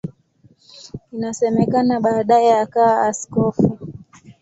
Inasemekana baadaye akawa askofu.